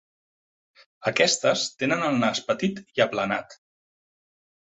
Aquestes tenen el nas petit i aplanat.